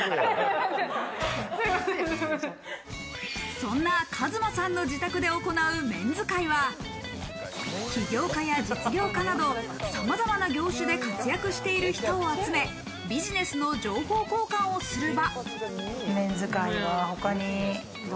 そんな一磨さんの自宅で行うメンズ会は、起業家や実業家など、さまざまな業種で活躍している人を集め、ビジネスの情報交換をする場。